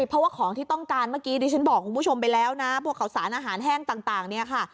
เพราะว่าของที่ต้องการเมื่อกี้ดิฉันบอกคุณผู้ชมไปแล้วนะพวกข่าวสารอาหารแห้งต่างเนี่ยค่ะ